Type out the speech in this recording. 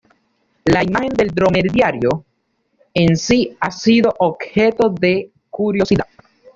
La imagen del dromedario en sí ha sido objeto de curiosidad.